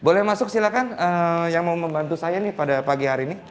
boleh masuk silahkan yang mau membantu saya nih pada pagi hari ini